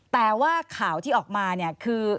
แต่ว่าข่าวที่ออกมาเนี่ยคือ